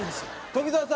富澤さん